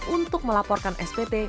untuk melaporkan spt